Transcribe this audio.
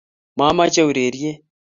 mameche ureryet